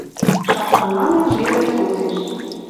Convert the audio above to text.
Шапкалана жерӓ сотеш